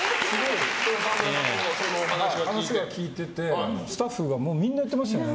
話は聞いていて、スタッフがみんな言ってますよね。